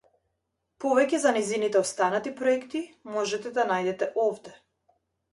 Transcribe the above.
Повеќе за нејзините останати проекти можете да најдете овде.